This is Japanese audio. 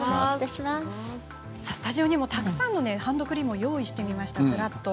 スタジオにもたくさんのハンドクリームを用意してみました。